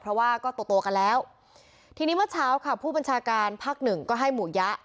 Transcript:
เพราะว่าก็โตตัวกันแล้วทีนี้เมื่อเช้าค่ะผู้บัญชาการภาคหนึ่งก็ให้หมู่ยะ